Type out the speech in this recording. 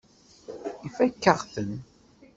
Ifakk-aɣ-ten.